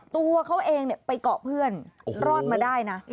ตัวเขาเองไปเกาะเพื่อนรอดมาได้นะ